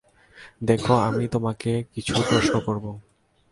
দেখো, আমি তোমাকে কিছু প্রশ্ন করব।